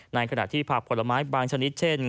ในขณะที่ผักผลไม้บางชนิดเช่น